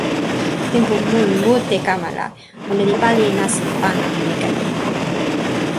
tenpo mun mute kama la, ona li pali e nasin pana pi weka ni.